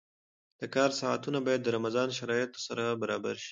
د کار ساعتونه باید د رمضان شرایطو سره برابر شي.